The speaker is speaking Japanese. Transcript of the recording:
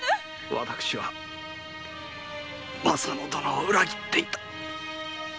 私はまさ乃殿を裏切っていた。